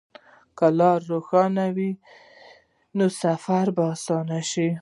که لار روښانه وي، نو سفر به اسانه شي.